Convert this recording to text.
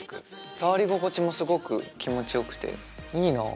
触り心地もすごく気持ちよくていいな。